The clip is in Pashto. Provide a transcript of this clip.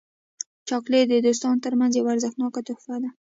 چاکلېټ د دوستانو ترمنځ یو ارزښتناک تحفه ده.